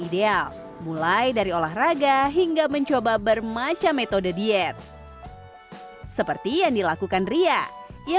ideal mulai dari olahraga hingga mencoba bermacam metode diet seperti yang dilakukan ria ia